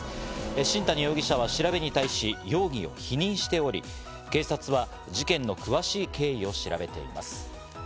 新谷容疑者は調べに対し、容疑を否認しており、警察は事件の詳しい経緯を調べています。